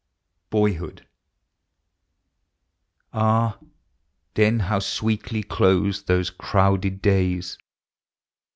ROYUOOR An. then how sweetly closed those crowded days!